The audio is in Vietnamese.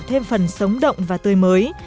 thêm phần sống động và tươi mới